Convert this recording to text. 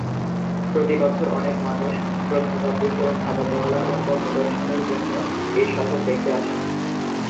প্রতিবছর অনেক মানুষ প্রত্নতাত্ত্বিক ও স্থাপত্যকলার অনুপম নিদর্শনের জন্য এই শহর দেখতে আসেন।